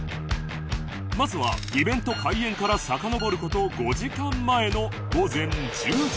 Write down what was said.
まずはイベント開演からさかのぼる事５時間前の午前１０時